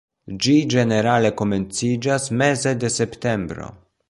Ĝi ĝenerale komenciĝas meze de septembro.